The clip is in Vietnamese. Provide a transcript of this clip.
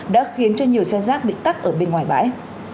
đã khiến cho nhiều xe rác bị tắt ở bên ngoài bãi